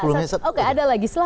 oh gak ada lagi